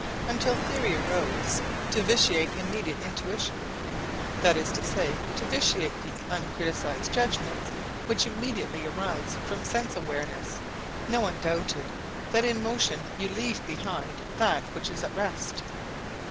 Until theory arose to vitiate immediate intuition, that is to say to vitiate the uncriticised judgments which immediately arise from sense awareness, no one doubted that in motion you leave behind that which is at rest.